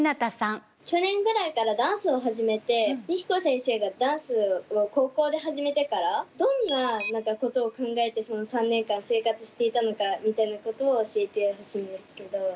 去年ぐらいからダンスを始めてＭＩＫＩＫＯ先生がダンスを高校で始めてからどんなことを考えてその３年間生活していたのかみたいなことを教えてほしいんですけど。